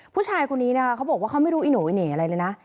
ผู้ชายคนนี้ค่ะเขาบอกว่าเขาไม่ดูอะไรเลยนะ